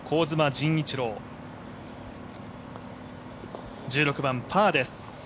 陣一朗、１６番パーです。